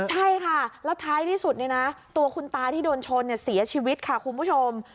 ใช่ค่ะแล้วท้ายที่สุดเนี่ยนะตัวคุณตาที่โดนชนเสียชีวิตค่ะคุณผู้ชม